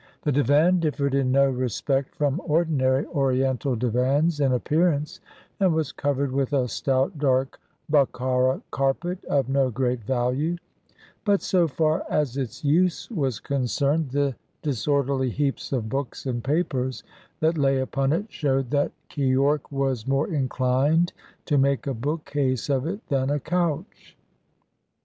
The divan differed in no respect from ordinary oriental divans in appearance, and was covered with a stout dark Bokhara carpet of no great value; but so far as its use was concerned, the disorderly heaps of books and papers that lay upon it showed that Keyork was more inclined to make a book case of it than a couch.